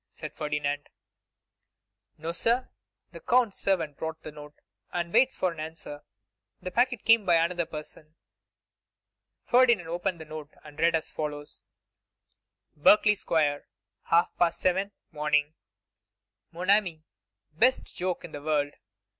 asked Ferdinand. 'No, sir; the Count's servant brought the note, and waits for an answer; the packet came by another person.' Ferdinand opened the note and read as follows: 'Berkeley square, half past 7, morning. 'Mon Ami, Best joke in the world!